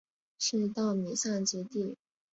是稻米集散地。